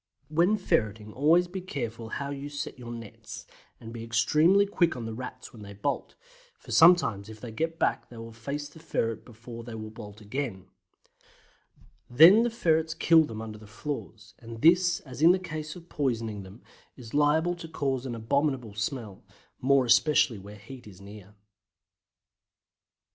When ferreting always be careful how you set your nets, and be extremely quick on the Rats when they bolt, for sometimes if they get back they will face the ferret before they will bolt again; then the ferrets kill them under the floors, and this as in the case of poisoning them is liable to cause an abominable smell, more especially where heat is near.